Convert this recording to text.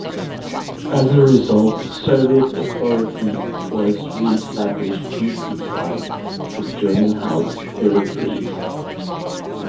As a result, Soviet authority was re-established deep inside the German-held territories.